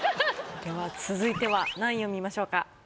では続いては何位を見ましょうか？